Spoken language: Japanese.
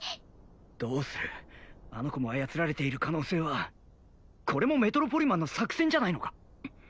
どうするあの子も操られている可能性はこれもメトロポリマンの作戦じゃないのか？